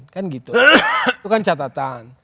kan gitu itu kan catatan